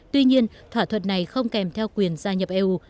tuy nhiên thỏa thuận này không kèm theo quyền gia nhập eu